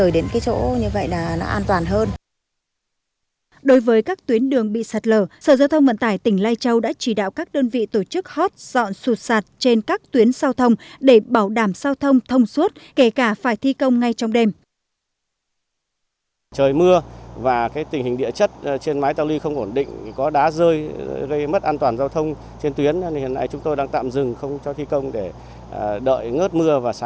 đối với các tuyến đường bị sát lở sở giao thông vận tải tỉnh lai châu đã chỉ đạo các đơn vị tổ chức hot dọn sụt sạt trên các tuyến sao thông để bảo đảm sao thông thông suốt kể cả phải thi công ngay trong đêm